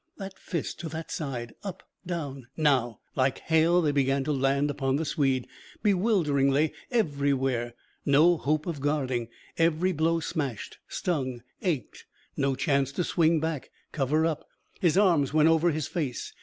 That fist to that side, up, down, now! Like hail they began to land upon the Swede. Bewilderingly, everywhere. No hope of guarding. Every blow smashed, stung, ached. No chance to swing back. Cover up. His arms went over his face.